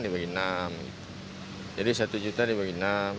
dibagi enam jadi satu juta dibagi enam delapan ratus